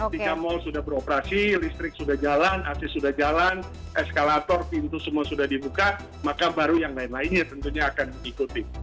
ketika mal sudah beroperasi listrik sudah jalan akses sudah jalan eskalator pintu semua sudah dibuka maka baru yang lain lainnya tentunya akan diikuti